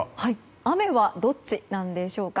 雨はどっちなんでしょうか。